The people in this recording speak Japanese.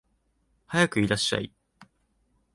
はやくいらっしゃい